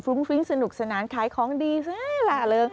ฟรุ้งฟริ้งสนุกสนานขายของดีหล่าเลย